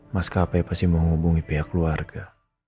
mas k p pasti mau hubungi pihak keluarga